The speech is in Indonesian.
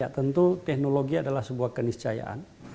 tentu teknologi adalah sebuah keniscayaan